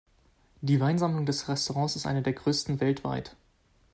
Die Weinsammlung des Restaurants ist eine der größten weltweit.